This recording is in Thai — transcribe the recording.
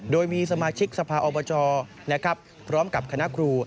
โดยมีสมาชิกสภาอบจพร้อมกับคณะครู